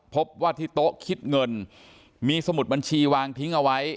พบว่าที่โต๊ะคิดเงินมีสมุดบัญชีวางทิ้งเอาไว้